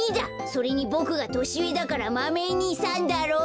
それにボクがとしうえだから「マメ２さん」だろ！